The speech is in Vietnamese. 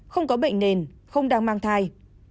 không có bệnh nền không đang mang thai